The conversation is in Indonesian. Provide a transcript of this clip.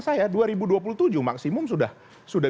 saya dua ribu dua puluh tujuh maksimum sudah